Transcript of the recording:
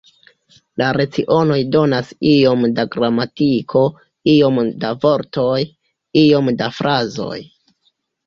La lecionoj donas iom da gramatiko, iom da vortoj, iom da frazoj.